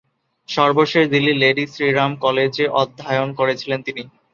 সর্বশেষ দিল্লীর লেডি শ্রীরাম কলেজে অধ্যায়ন করেছিলেন তিনি।